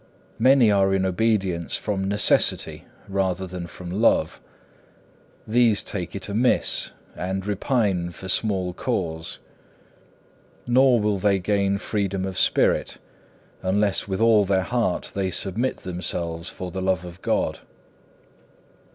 Many are in obedience from necessity rather than from love; these take it amiss, and repine for small cause. Nor will they gain freedom of spirit, unless with all their heart they submit themselves for the love of God.